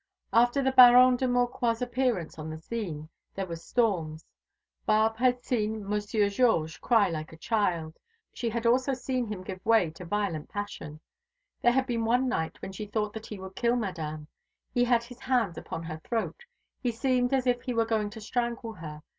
After the Baron de Maucroix's appearance on the scene there were storms. Barbe had seen Monsieur Georges cry like a child. She had also seen him give way to violent passion. There had been one night when she thought that he would kill Madame. He had his hands upon her throat; he seemed as if he were going to strangle her.